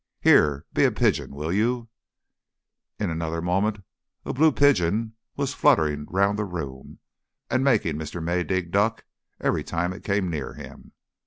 Here! be a pigeon, will you?" In another moment a blue pigeon was fluttering round the room and making Mr. Maydig duck every time it came near him.